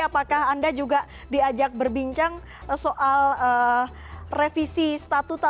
apakah anda juga diajak berbincang soal revisi statuta